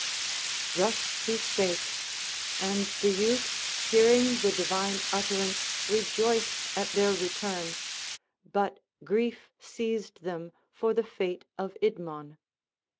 Thus he spake; and the youths hearing the divine utterance rejoiced at their return, but grief seized them for the fate of Idmon.